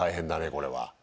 これは。